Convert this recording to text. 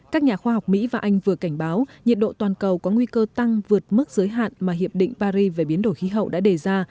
các nhà khoa học mỹ và anh vừa cảnh báo nhiệt độ toàn cầu có nguy cơ tăng vượt mức giới hạn mà hiệp định paris về biến đổi khí hậu đã đề ra